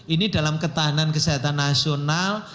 ini dalam ketahanan kesehatan nasional